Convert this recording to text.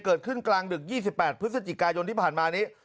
เกิดขึ้นกลางดึก๒๘พฤศจิกายนที่ผ่านมานี้